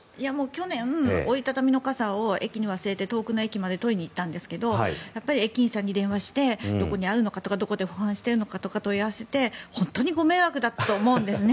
去年、折り畳み傘を駅に忘れて遠くの駅まで取りに行ったんですが駅員さんに電話してどこにあるのかとかどこで保管しているのかとか問い合わせて本当にご迷惑だったと思うんですね。